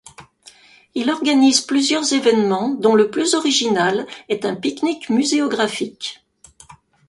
Il organise plusieurs événements, dont le plus original est un pique-nique muséographique.